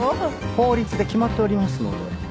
法律で決まっておりますので。